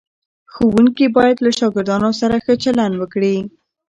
ښوونکي باید له شاګردانو سره ښه چلند وکړي.